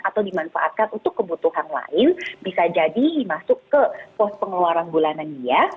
atau dimanfaatkan untuk kebutuhan lain bisa jadi masuk ke pos pengeluaran bulanan dia